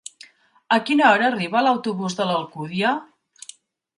A quina hora arriba l'autobús de l'Alcúdia?